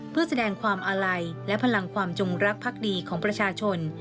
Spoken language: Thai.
เพื่อแสดงความอาลัยและพลังความจงรักพักดีของประชาชน